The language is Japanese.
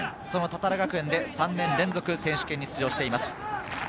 その多々良学園で３年連続選手権に出場しています。